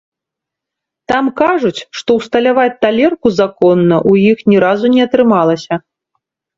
Там кажуць, што ўсталяваць талерку законна ў іх ні разу не атрымалася.